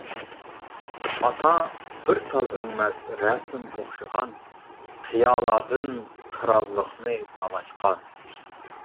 ئاتا بىر تال ئۆڭمەس رەسىم ئوخشىغان، قىيالاردىن قىرانلىقنى تالاشقان.